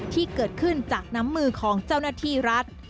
ที่เกิดขึ้นจากน้ำมือของเจ้าหน้าที่รัฐ